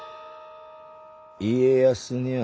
家康にゃあ